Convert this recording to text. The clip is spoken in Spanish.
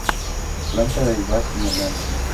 Planta vivaz bienal.